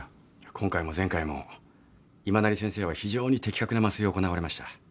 今回も前回も今成先生は非常に的確な麻酔を行われました。